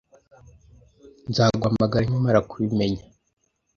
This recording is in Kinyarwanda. Nzaguhamagara nkimara kubimenya.